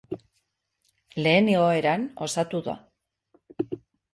Lehen igoeran osatu da eguneko ihesaldia, aldakorra egunean zehar.